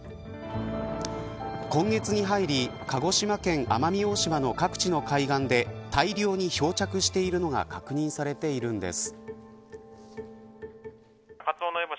今月に入り鹿児島県奄美大島の各地の海岸で大量に漂着しているのが確認されているんです。